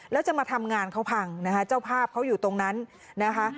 แล้วจะมาทำงานเขาพังนะคะเจ้าภาพเขาอยู่ตรงนั้นนะคะ